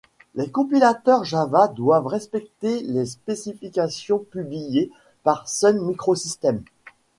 Les compilateurs Java doivent respecter les spécifications publiées par Sun microsystems.